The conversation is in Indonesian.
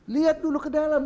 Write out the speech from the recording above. lihat dulu ke dalam